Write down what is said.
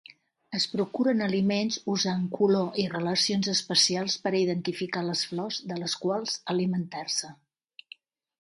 Es procuren aliments usant color i relacions espacials per a identificar les flors de les quals alimentar-se.